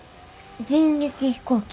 人力飛行機。